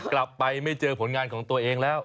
กลับไปไม่เจอผลงานของตัวเองแล้ว